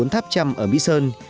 một mươi bốn tháp trăm ở mỹ sơn